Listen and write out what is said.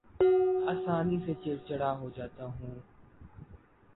آسانی سے چڑ چڑا ہو جاتا ہوں